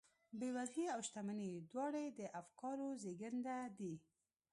بېوزلي او شتمني دواړې د افکارو زېږنده دي.